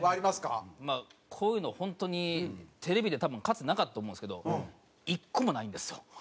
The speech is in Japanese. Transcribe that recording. まあこういうの本当にテレビで多分かつてなかったと思うんですけど１個もないんですよ